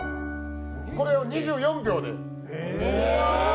これを２４秒で。